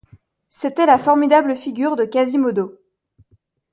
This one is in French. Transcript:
C'était la formidable figure de Quasimodo.